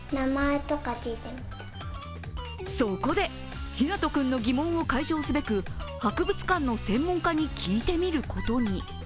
そこで、陽南斗君の疑問を解消すべく博物館の専門家に聞いてみることに。